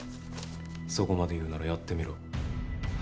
そこまで言うんならやってみろ。